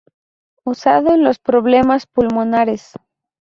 Usado en los problemas pulmonares.